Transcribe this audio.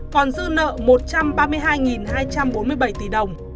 còn dư nợ một trăm ba mươi hai hai trăm bốn mươi bảy tỷ đồng